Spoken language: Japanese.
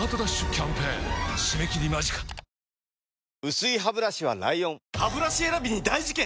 薄いハブラシは ＬＩＯＮハブラシ選びに大事件！